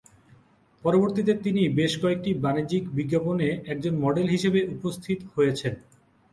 পরবর্তীতে তিনি বেশ কয়েকটি বাণিজ্যিক বিজ্ঞাপনে একজন মডেল হিসেবে উপস্থিত হয়েছেন।